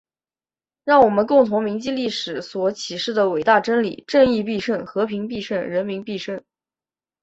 让我们共同铭记历史所启示的伟大真理：正义必胜！和平必胜！人民必胜！